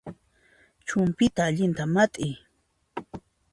Chumpyta allinta mat'iy